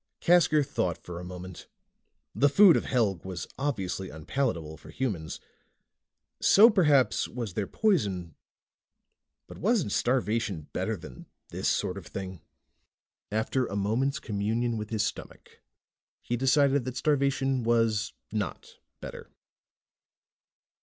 Casker thought for a moment. The food of Helg was obviously unpalatable for humans. So perhaps was their poison ... but wasn't starvation better than this sort of thing? After a moment's communion with his stomach, he decided that starvation was not better.